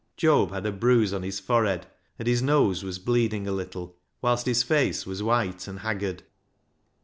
Job had a bruise on his forehead, and his nose was bleeding a little, whilst his face was white and haggard.